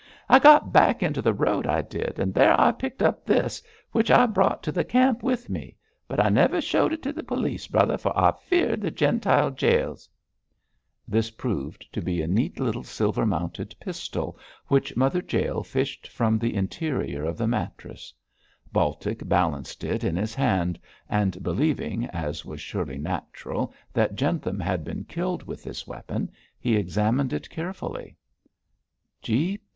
I got back into the road, I did, and there I picked up this, which I brought to the camp with me. But I never showed it to the police, brother, for I feared the Gentile jails.' This proved to be a neat little silver mounted pistol which Mother Jael fished out from the interior of the mattress. Baltic balanced it in his hand, and believing, as was surely natural, that Jentham had been killed with this weapon, he examined it carefully.